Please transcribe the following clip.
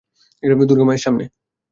দূর্গা মায়ের সামনে।